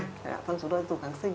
thế là chúng tôi dùng tháng sinh